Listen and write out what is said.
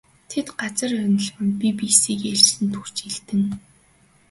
Тэд газар онгилон бие биесийг ээлжлэн түрж элдэнэ.